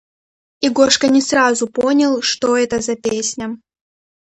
и Гошка не сразу понял, что это за песня